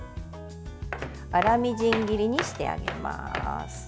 粗みじん切りにしてあげます。